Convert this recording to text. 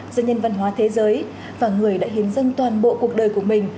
giữa nhân văn hóa thế giới và người đã hiến dân toàn bộ cuộc đời của mình